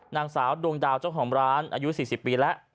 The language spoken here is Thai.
นางสาวดวงดาวเจ้าของร้านอายุ๔๐ปีแล้ว